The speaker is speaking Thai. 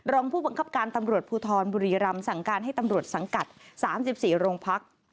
รองผู้บังคับการตำรวจภูทรบุรีรำสั่งการให้ตำรวจสังกัด๓๔โรงพัก